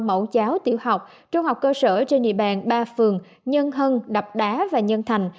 mẫu giáo tiểu học trung học cơ sở trên địa bàn ba phường nhân hân đập đá và nhân thành